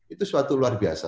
itu suatu luar biasa